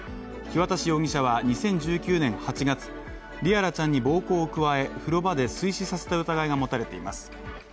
日渡容疑者は２０１９年８月、璃愛來ちゃんに暴行を加え、風呂場で水死させた疑いが持たれています。